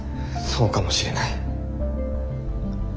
そうかもしれない。